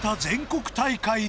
全国大会